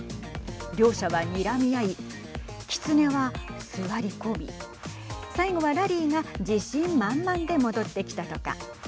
両者は、にらみ合いきつねは座り込み最後はラリーが自信満々で戻ってきたとか。